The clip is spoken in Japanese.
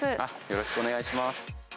よろしくお願いします。